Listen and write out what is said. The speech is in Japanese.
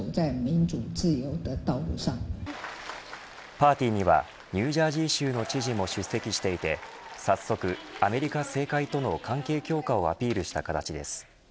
パーティーにはニュージャージー州の知事も出席していて早速アメリカ政界との関係強化をアピールした形です。